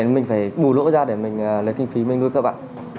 mình phải bù lỗ ra để mình lấy kinh phí mình nuôi các bạn